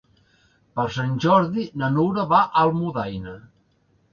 Per Sant Jordi na Nura va a Almudaina.